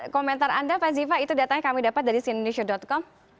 komentar anda pak ziva itu datanya kami dapat dari sindonesia com